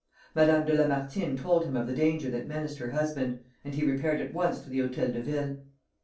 Madame de Lamartine told him of the danger that menaced her husband, and he repaired at once to the Hôtel de Ville.